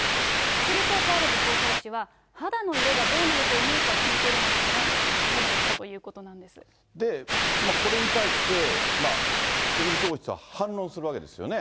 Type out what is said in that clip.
すると、チャールズ皇太子は、肌の色がどうなると思うか聞いているのだがと会話をしたというこで、これに対して、イギリス王室は反論するわけですよね。